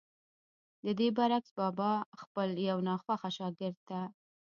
ددې برعکس بابا خپل يو ناخوښه شاګرد ته